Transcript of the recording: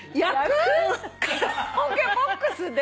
カラオケボックスで！？